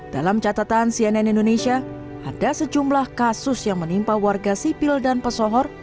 dalam catatan cnn indonesia ada sejumlah kasus yang menimpa warga sipil dan pesohor